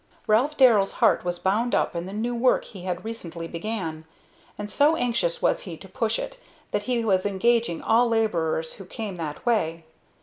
Ralph Darrell's heart was bound up in the new work he had recently began, and so anxious was he to push it that he was engaging all laborers who came that way.